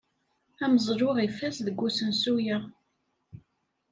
Ameẓlu ifaz deg usensu-a.